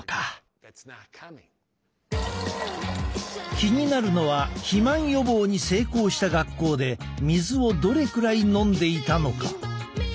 気になるのは肥満予防に成功した学校で水をどれくらい飲んでいたのか？